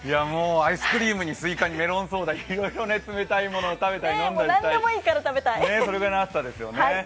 アイスクリームにスイカにメロンソーダにいろいろね、冷たいもの食べたり飲んだりしたいそれぐらいの暑さですよね。